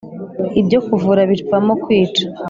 Ibyo kuvura bivamo kwica.